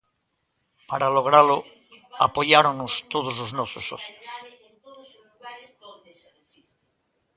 Para logralo apoiáronos todos os nosos socios.